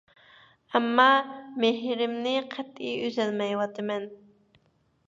ئەمما مېھرىمنى قەتئىي ئۈزەلمەيۋاتىمەن.